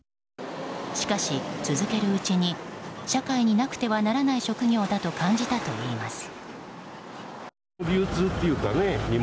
しかし、続けるうちに社会になくてはならない職業だと感じたといいます。